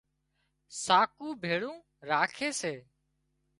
ساڪو ڀيۯون راکي سي